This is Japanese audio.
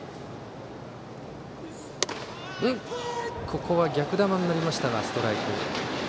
ここは逆球になりましたがストライク。